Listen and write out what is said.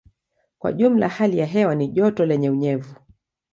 Kwa jumla hali ya hewa ni joto lenye unyevu.